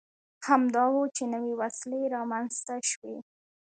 همدا و چې نوې وسیلې رامنځته شوې.